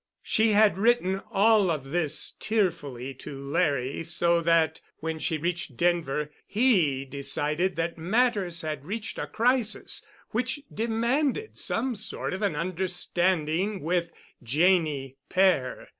She had written all of this tearfully to Larry, so that when she reached Denver he decided that matters had reached a crisis which demanded some sort of an understanding with Janney père.